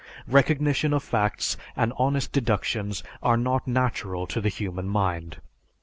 Recognition of facts and honest deductions are not natural to the human mind.